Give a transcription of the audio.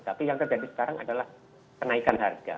tapi yang terjadi sekarang adalah kenaikan harga